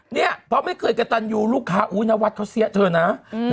เนี่ยเพราะไม่เคยกระตันยูลูกค้าอุ๊ยนวัดเขาเสียเธอนะ